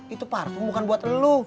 itu parfum bukan buat lu